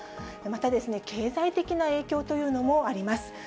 また経済的な影響というのもあります。